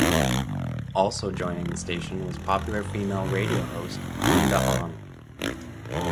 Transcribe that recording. Also joining the station was popular female radio host Linda Onn.